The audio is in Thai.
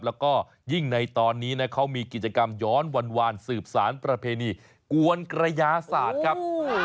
แล้วก็ยิ่งในตอนนี้นะเขามีกิจกรรมย้อนวานสืบสารประเพณีกวนกระยาศาสตร์ครับ